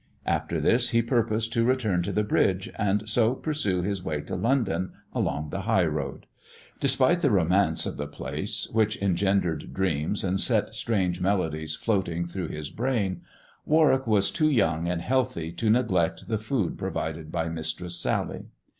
After this he purposed to return to the bridge, and so pursue his way to London along the high road. Despite the romance of the place, which en gendered dreams and set strange melodies floating through his brain, Warwick was too young and healthy to neglect the food provided by Mistress Sally.